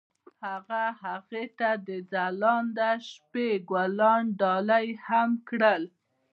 هغه هغې ته د ځلانده شپه ګلان ډالۍ هم کړل.